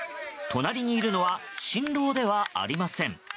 隣にいるのは新郎ではありません。